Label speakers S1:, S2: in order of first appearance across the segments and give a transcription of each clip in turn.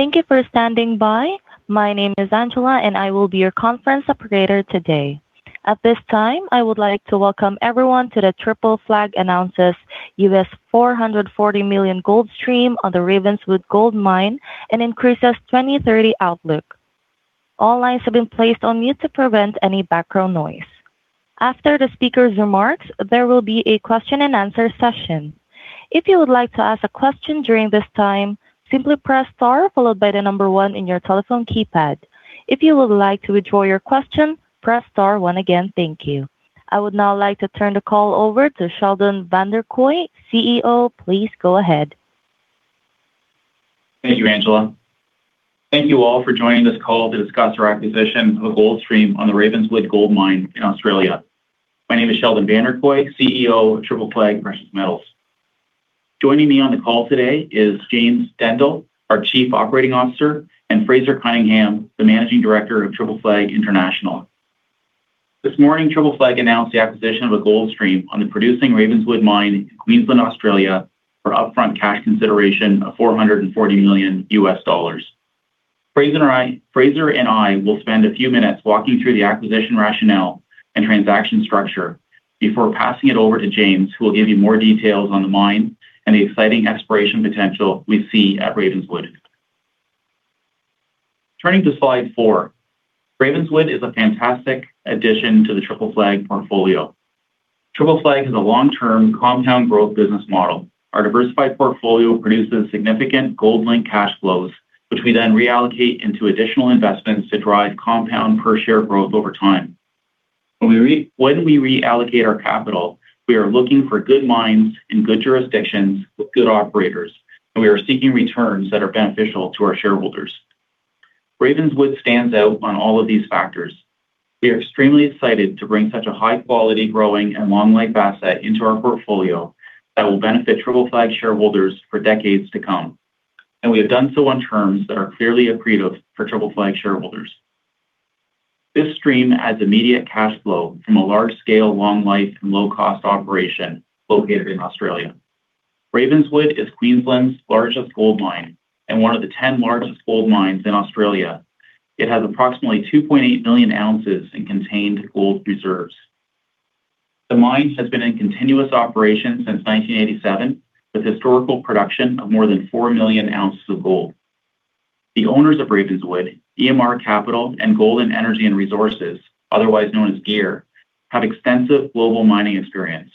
S1: Thank you for standing by. My name is Angela, and I will be your conference operator today. At this time, I would like to welcome everyone to the Triple Flag Announces $440 million gold stream on the Ravenswood Gold Mine and Increases 2030 Outlook. All lines have been placed on mute to prevent any background noise. After the speaker's remarks, there will be a question-and-answer session. If you would like to ask a question during this time, simply press star followed by the number one in your telephone keypad. If you would like to withdraw your question, press star one again. Thank you. I would now like to turn the call over to Sheldon Vanderkooy, CEO. Please go ahead.
S2: Thank you, Angela. Thank you all for joining this call to discuss our acquisition of a gold stream on the Ravenswood Gold Mine in Australia. My name is Sheldon Vanderkooy, CEO of Triple Flag Precious Metals. Joining me on the call today is James Dendle, our Chief Operating Officer, and Fraser Cunningham, the Managing Director of Triple Flag International. This morning, Triple Flag announced the acquisition of a gold stream on the producing Ravenswood Mine in Queensland, Australia, for upfront cash consideration of $440 million. Fraser and I will spend a few minutes walking through the acquisition rationale and transaction structure before passing it over to James, who will give you more details on the mine and the exciting exploration potential we see at Ravenswood. Turning to slide four. Ravenswood is a fantastic addition to the Triple Flag portfolio. Triple Flag is a long-term compound growth business model. Our diversified portfolio produces significant gold link cash flows, which we then reallocate into additional investments to drive compound per share growth over time. We reallocate our capital, we are looking for good mines in good jurisdictions with good operators, and we are seeking returns that are beneficial to our shareholders. Ravenswood stands out on all of these factors. We are extremely excited to bring such a high-quality, growing, and long life asset into our portfolio that will benefit Triple Flag shareholders for decades to come, and we have done so on terms that are clearly accretive for Triple Flag shareholders. This stream adds immediate cash flow from a large-scale, long life, and low-cost operation located in Australia. Ravenswood is Queensland's largest gold mine and one of the 10 largest gold mines in Australia. It has approximately 2.8 million ounces in contained gold reserves. The mine has been in continuous operation since 1987 with historical production of more than 4 million ounces of gold. The owners of Ravenswood, EMR Capital and Golden Energy and Resources, otherwise known as GEAR, have extensive global mining experience.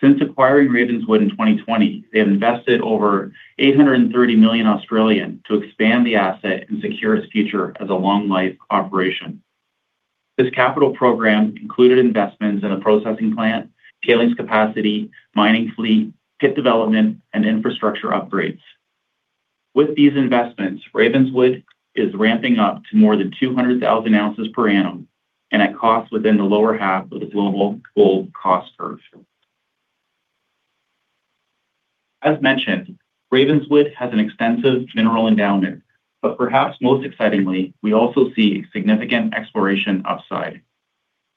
S2: Since acquiring Ravenswood in 2020, they have invested over 830 million to expand the asset and secure its future as a long life operation. This capital program included investments in a processing plant, tailings capacity, mining fleet, pit development, and infrastructure upgrades. With these investments, Ravenswood is ramping up to more than 200,000 oz per annum and at cost within the lower half of the global gold cost curve. Ravenswood has an extensive mineral endowment, but perhaps most excitingly, we also see significant exploration upside.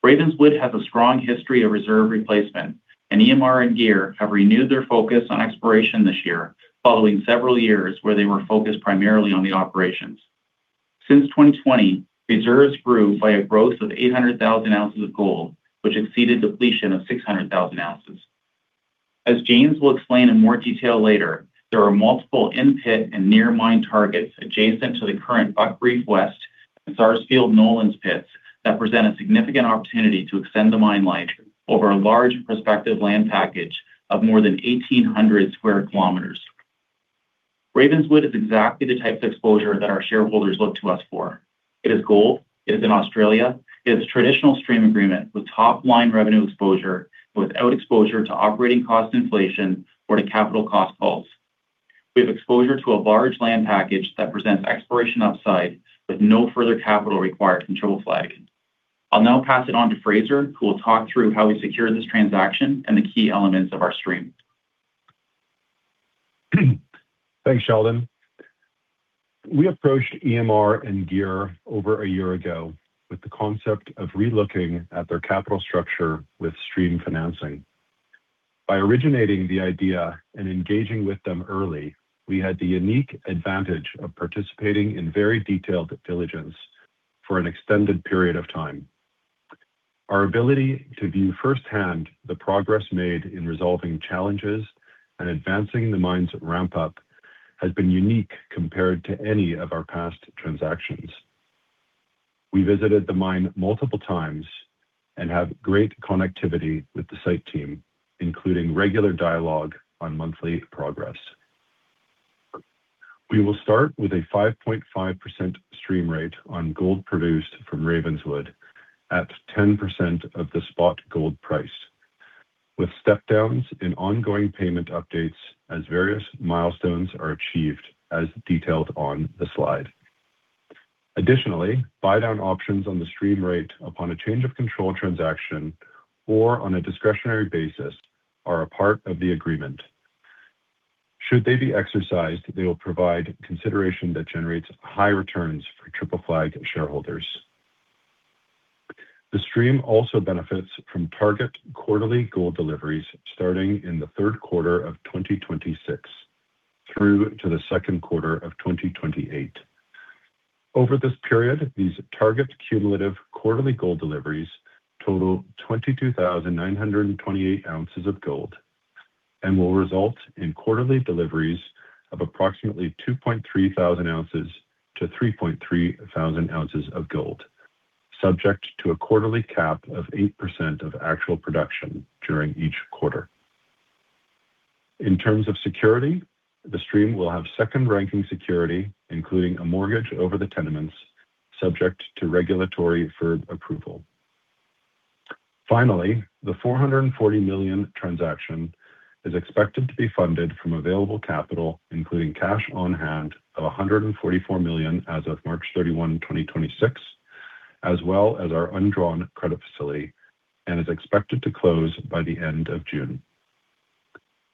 S2: Ravenswood has a strong history of reserve replacement. EMR and GEAR have renewed their focus on exploration this year, following several years where they were focused primarily on the operations. Since 2020, reserves grew by a growth of 800,000 oz of gold, which exceeded depletion of 600,000 oz. As James will explain in more detail later, there are multiple in-pit and near mine targets adjacent to the current Buck Reef West and Sarsfield-Nolans pits that present a significant opportunity to extend the mine life over a large prospective land package of more than 1,800 sq km. Ravenswood is exactly the type of exposure that our shareholders look to us for. It is gold, it is in Australia, it is a traditional stream agreement with top-line revenue exposure without exposure to operating cost inflation or to capital cost pulse. We have exposure to a large land package that presents exploration upside with no further capital required from Triple Flag. I'll now pass it on to Fraser, who will talk through how we secured this transaction and the key elements of our stream.
S3: Thanks, Sheldon. We approached EMR and GEAR over a year ago with the concept of relooking at their capital structure with stream financing. By originating the idea and engaging with them early, we had the unique advantage of participating in very detailed diligence for an extended period of time. Our ability to view firsthand the progress made in resolving challenges and advancing the mine's ramp-up has been unique compared to any of our past transactions. We visited the mine multiple times and have great connectivity with the site team, including regular dialogue on monthly progress. We will start with a 5.5% stream rate on gold produced from Ravenswood at 10% of the spot gold price, with step downs and ongoing payment updates as various milestones are achieved as detailed on the slide. Additionally, buy down options on the stream rate upon a change of control transaction or on a discretionary basis are a part of the agreement. Should they be exercised, they will provide consideration that generates high returns for Triple Flag shareholders. The stream also benefits from target quarterly gold deliveries starting in the third quarter of 2026 through to the second quarter of 2028. Over this period, these target cumulative quarterly gold deliveries total 22,928 oz of gold and will result in quarterly deliveries of approximately 2,300 oz to 3,300 oz of gold, subject to a quarterly cap of 8% of actual production during each quarter. In terms of security, the stream will have second-ranking security, including a mortgage over the tenements subject to regulatory deferred approval. The $440 million transaction is expected to be funded from available capital, including cash on hand of $144 million as of March 31, 2026, as well as our undrawn credit facility, and is expected to close by the end of June.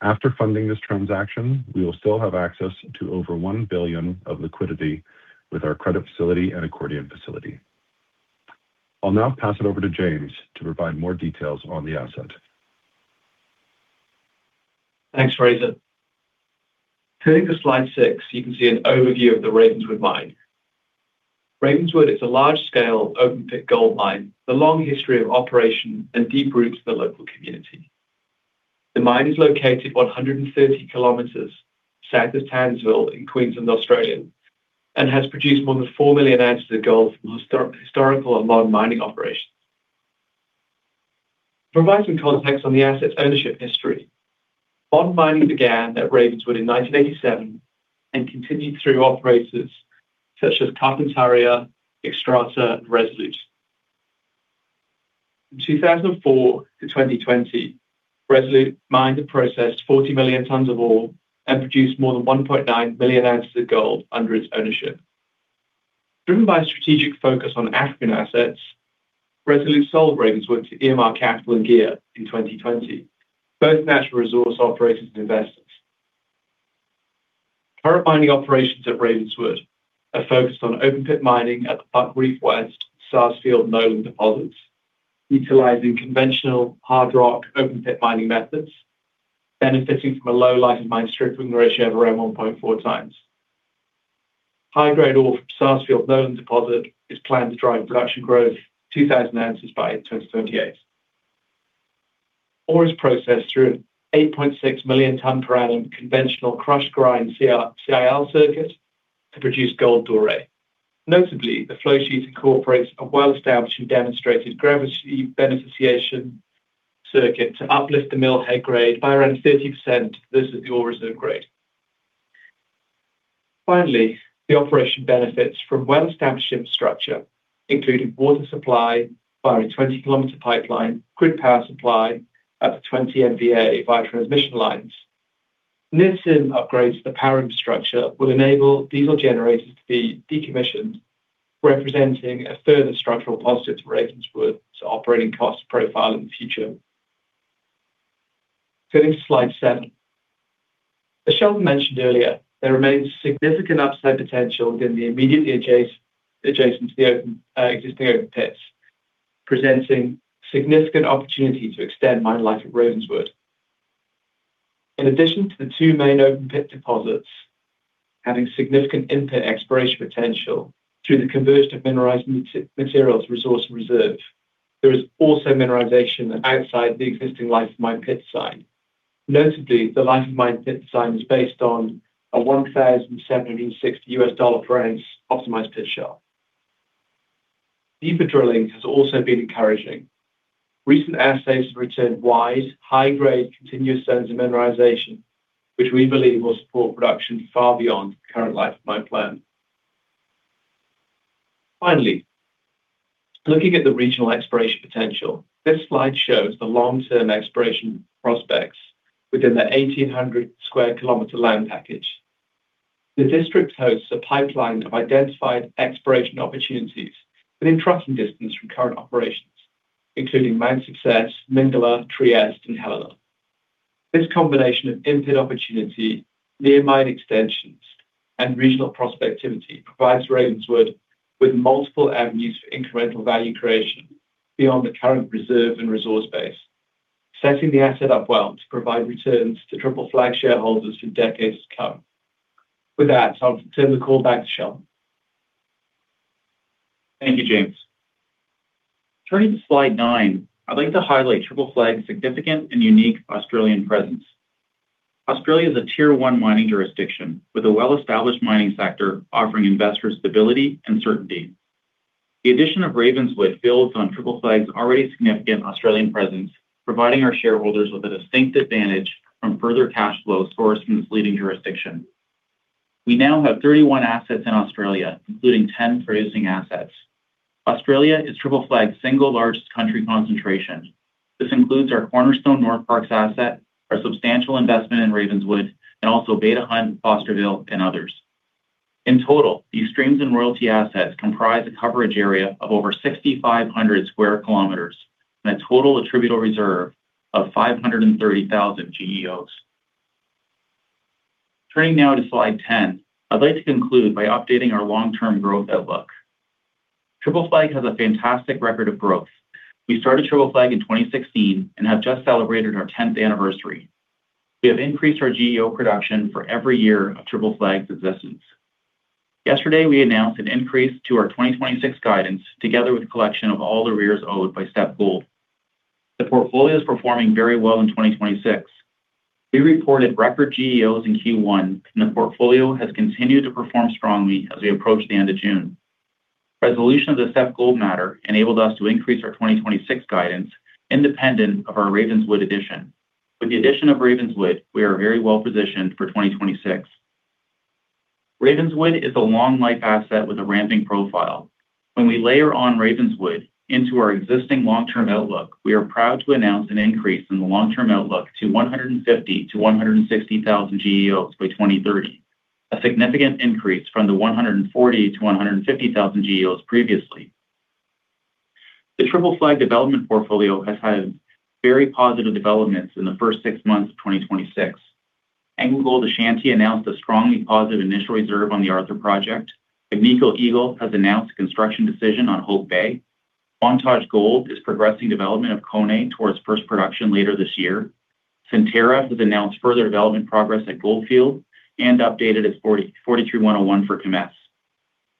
S3: After funding this transaction, we will still have access to over $1 billion of liquidity with our credit facility and accordion facility. I'll now pass it over to James to provide more details on the asset.
S4: Thanks, Fraser. Turning to slide six, you can see an overview of the Ravenswood Mine. Ravenswood is a large-scale open pit gold mine with a long history of operation and deep roots to the local community. The mine is located 130 km south of Townsville in Queensland, Australia, and has produced more than 4 million ounces of gold from historical and modern mining operations. Providing context on the asset's ownership history, modern mining began at Ravenswood in 1987 and continued through operators such as Carpentaria, Xstrata, and Resolute. From 2004 to 2020, Resolute mined and processed 40 million tonnes of ore and produced more than 1.9 million ounces of gold under its ownership. Driven by a strategic focus on African assets, Resolute sold Ravenswood to EMR Capital and GEAR in 2020, both natural resource operators and investors. Current mining operations at Ravenswood are focused on open pit mining at the Buck Reef West, Sarsfield, and Nolans deposits, utilizing conventional hard rock open pit mining methods, benefiting from a low life of mine stripping ratio of around 1.4x. High-grade ore from the Ore is processed through an 8.6 million tonne per annum conventional crush grind CIL circuit to produce gold doré. Notably, the flow sheet incorporates a well-established and demonstrated gravity beneficiation circuit to uplift the mill head grade by around 30% versus the ore reserve grade. The operation benefits from a well-established infrastructure, including water supply via a 20 km pipeline, grid power supply at the 20 MVA via transmission lines. Near-term upgrades to the power infrastructure will enable diesel generators to be decommissioned, representing a further structural positive to Ravenswood's operating cost profile in the future. Turning to slide seven. As Sheldon mentioned earlier, there remains significant upside potential within the immediately adjacent to the existing open pits, presenting significant opportunity to extend mine life at Ravenswood. In addition to the two main open pit deposits, having significant in-pit exploration potential through the conversion of mineralized materials resource and reserve, there is also mineralization outside the existing life of mine pit design. Notably, the life of mine pit design was based on a $1,760 per ounce optimized pit shell. Deep drilling has also been encouraging. Recent assays have returned wide, high-grade, continuous zones of mineralization, which we believe will support production far beyond the current life of mine plan. Finally, looking at the regional exploration potential, this slide shows the long-term exploration prospects within the 1,800 sq km land package. The district hosts a pipeline of identified exploration opportunities within trucking distance from current operations, including Mount Success, Mindila, Trieste, and Helena. This combination of in-pit opportunity, near mine extensions, and regional prospectivity provides Ravenswood with multiple avenues for incremental value creation beyond the current reserve and resource base, setting the asset up well to provide returns to Triple Flag shareholders for decades to come. With that, I'll turn the call back to Sheldon.
S2: Thank you, James. Turning to slide nine, I'd like to highlight Triple Flag's significant and unique Australian presence. Australia is a Tier 1 mining jurisdiction with a well-established mining sector offering investors stability and certainty. The addition of Ravenswood builds on Triple Flag's already significant Australian presence, providing our shareholders with a distinct advantage from further cash flow sourced from this leading jurisdiction. We now have 31 assets in Australia, including 10 producing assets. Australia is Triple Flag's single largest country concentration. This includes our cornerstone Northparkes asset, our substantial investment in Ravenswood, and also Beta Hunt, Fosterville, and others. In total, these streams and royalty assets comprise a coverage area of over 6,500 sq km and a total attributable reserve of 530,000 GEOs. Turning now to slide 10, I'd like to conclude by updating our long-term growth outlook. Triple Flag has a fantastic record of growth. We started Triple Flag in 2016 and have just celebrated our 10th Anniversary. We have increased our GEO production for every year of Triple Flag's existence. Yesterday, we announced an increase to our 2026 guidance, together with collection of all the arrears owed by Steppe Gold. The portfolio is performing very well in 2026. We reported record GEOs in Q1, and the portfolio has continued to perform strongly as we approach the end of June. Resolution of the Steppe Gold matter enabled us to increase our 2026 guidance, independent of our Ravenswood addition. With the addition of Ravenswood, we are very well positioned for 2026. Ravenswood is a long life asset with a ramping profile. When we layer on Ravenswood into our existing long-term outlook, we are proud to announce an increase in the long-term outlook to 150,000 GEOs-160,000 GEOs by 2030. A significant increase from the 140,000 GEOs-150,000 GEOs previously. The Triple Flag development portfolio has had very positive developments in the first six months of 2026. AngloGold Ashanti announced a strongly positive initial reserve on the Arthur project. Agnico Eagle has announced construction decision on Hope Bay. Montage Gold is progressing development of Koné towards first production later this year. Centerra has announced further development progress at Goldfield and updated its 43-101 for Kemess.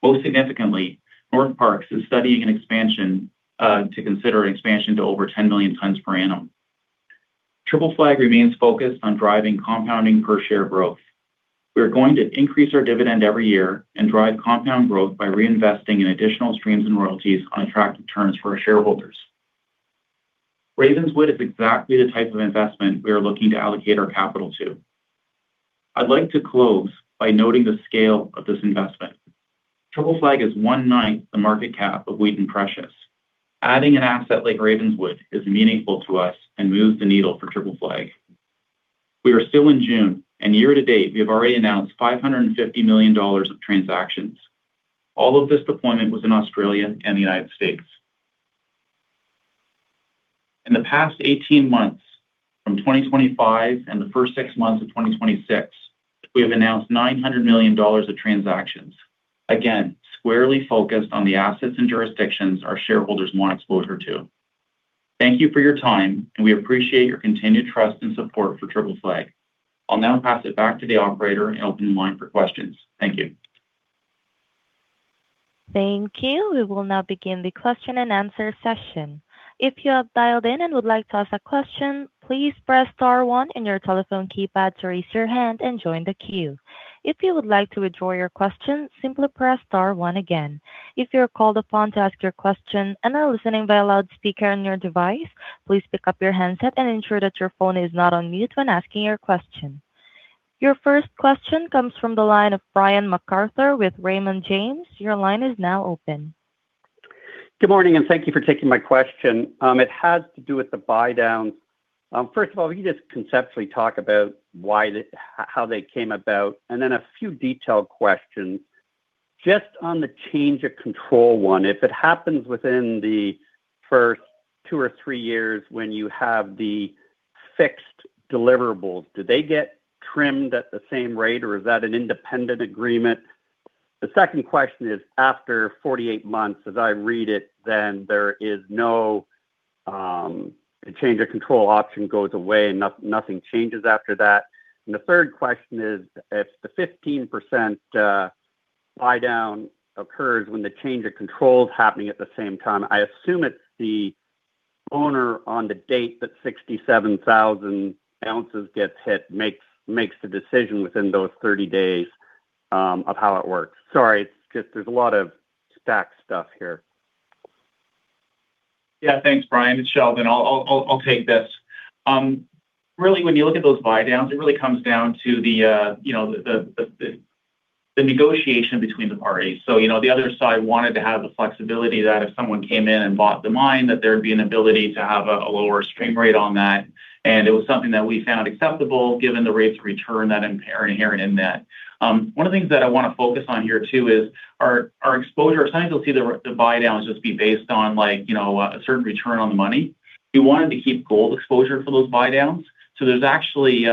S2: Most significantly, Northparkes is studying an expansion to consider an expansion to over 10 million tons per annum. Triple Flag remains focused on driving compounding per share growth. We are going to increase our dividend every year and drive compound growth by reinvesting in additional streams and royalties on attractive terms for our shareholders. Ravenswood is exactly the type of investment we are looking to allocate our capital to. I'd like to close by noting the scale of this investment. Triple Flag is 1/9 the market cap of Wheaton Precious. Adding an asset like Ravenswood is meaningful to us and moves the needle for Triple Flag. We are still in June, and year-to-date, we have already announced $550 million of transactions. All of this deployment was in Australia and the United States. In the past 18 months, from 2025 and the first six months of 2026, we have announced $900 million of transactions. Again, squarely focused on the assets and jurisdictions our shareholders want exposure to. Thank you for your time, and we appreciate your continued trust and support for Triple Flag. I'll now pass it back to the operator and open the line for questions. Thank you.
S1: Thank you. We will now begin the question-and-answer session. If you have dialed in and would like to ask a question, please press star one in your telephone keypad to raise your hand and join the queue. If you would like to withdraw your question, simply press star one again. If you're called upon to ask your question and are listening by a loudspeaker on your device, please pick up your handset and ensure that your phone is not on mute when asking your question. Your first question comes from the line of Brian MacArthur with Raymond James. Your line is now open.
S5: Good morning, and thank you for taking my question. It has to do with the buy downs. First of all, can you just conceptually talk about how they came about? Then a few detailed questions. Just on the change of control one, if it happens within the first two or three years when you have the fixed deliverables, do they get trimmed at the same rate, or is that an independent agreement? The second question is, after 48 months, as I read it, then there is no, the change of control option goes away, nothing changes after that. The third question is, if the 15% buy down occurs when the change of control is happening at the same time, I assume it's the owner on the date that 67,000 oz gets hit, makes the decision within those 30 days, of how it works. Sorry, it's just there's a lot of stacked stuff here.
S2: Yeah. Thanks, Brian. It's Sheldon. I'll take this. When you look at those buy downs, it really comes down to the negotiation between the parties. The other side wanted to have the flexibility that if someone came in and bought the mine, that there'd be an ability to have a lower stream rate on that. It was something that we found acceptable given the rates of return that inherent in that. One of the things that I want to focus on here too is our exposure. Sometimes you'll see the buy downs just be based on a certain return on the money. We wanted to keep gold exposure for those buy downs. It's actually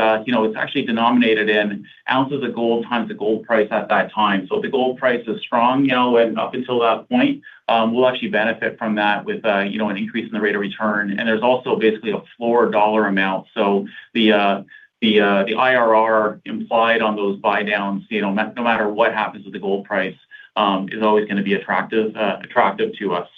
S2: denominated in ounces of gold times the gold price at that time. If the gold price is strong, up until that point, we'll actually benefit from that with an increase in the rate of return. There's also basically a floor dollar amount. The IRR implied on those buy downs, no matter what happens with the gold price, is always going to be attractive to us.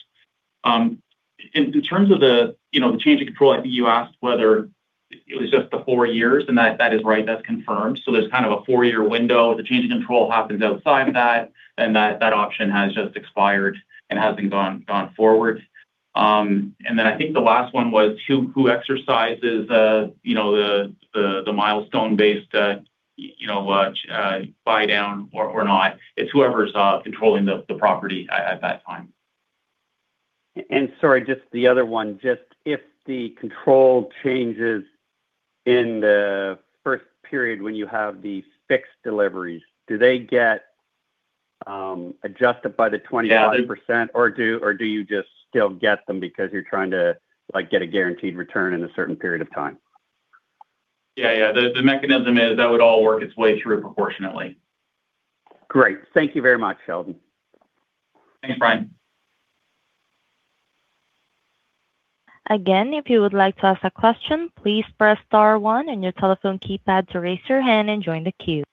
S2: In terms of the change of control, I think you asked whether it was just the four years, and that is right. That's confirmed. There's kind of a four-year window. If the change of control happens outside of that option has just expired and hasn't gone forward. I think the last one was who exercises the milestone based buy down or not. It's whoever's controlling the property at that time.
S5: Sorry, just the other one, just if the control changes in the first period when you have these fixed deliveries, do they get adjusted by the 25% or do you just still get them because you're trying to get a guaranteed return in a certain period of time?
S2: Yeah. The mechanism is that would all work its way through proportionately.
S5: Great. Thank you very much, Sheldon.
S2: Thanks, Brian.
S1: If you would like to ask a question, please press star one in your telephone keypad to raise your hand and join the queue.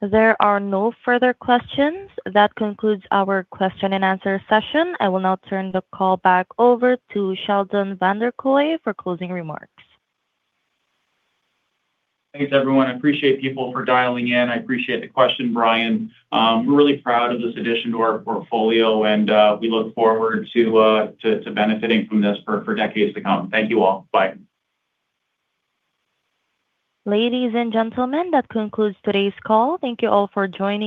S1: There are no further questions. That concludes our question-and-answer session. I will now turn the call back over to Sheldon Vanderkooy for closing remarks.
S2: Thanks, everyone. I appreciate people for dialing in. I appreciate the question, Brian. We are really proud of this addition to our portfolio, and we look forward to benefiting from this for decades to come. Thank you all. Bye.
S1: Ladies and gentlemen, that concludes today's call. Thank you all for joining.